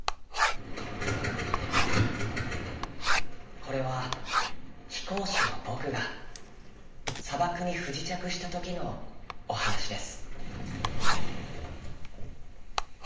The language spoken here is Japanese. これはひこうしの「ぼく」がさばくにふじちゃくしたときのおはなしです。